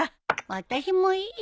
私もいいよ